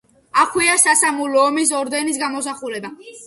აქვეა სამამულო ომის ორდენის გამოსახულება.